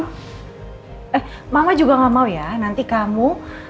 eh mama juga gak mau ya nanti kamu